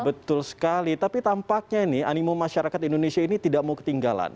betul sekali tapi tampaknya ini animo masyarakat indonesia ini tidak mau ketinggalan